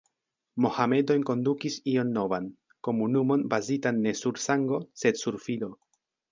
Mohamedo enkondukis ion novan: komunumon bazitan ne sur sango, sed sur fido.